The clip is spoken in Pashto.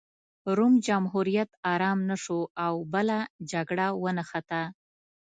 روم جمهوریت ارام نه شو او بله جګړه ونښته